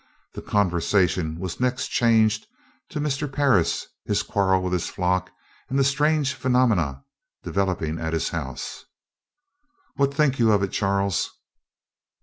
The conversation was next changed to Mr. Parris, his quarrel with his flock, and the strange phenomenon developing at his house. "What think you of it, Charles?"